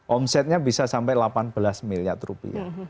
omsetnya bisa sampai delapan belas miliar rupiah